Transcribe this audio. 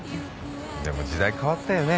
でも時代変わったよね。